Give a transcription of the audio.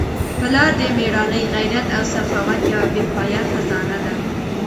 پلار د مېړانې، غیرت او سخاوت یوه بې پایه خزانه ده.